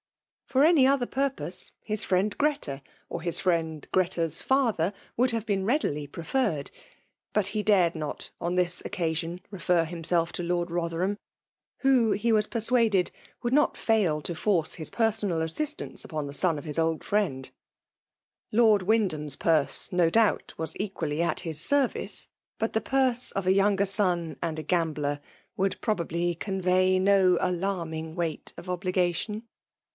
For any other purpose, his iriend Grreta^or Ms friend Greta's father/ would have been readily preferred ; "but he dared not> on this occasion, refer himself to Lord Sotherham, ^who, he was persuaded, would not fail to force his personal assistance upon the son of his old friend Lord Wyndhara's purse, no doubt, was equally at his service; but the purse of a younger son* and a gambler would probably convey no alarming weight of obligation.